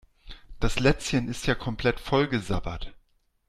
Das Lätzchen ist ja komplett vollgesabbert.